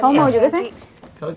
kamu mau juga say